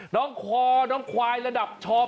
น้องคอน้องควายระดับชอง